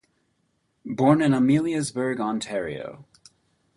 Born in Ameliasburgh, Ontario.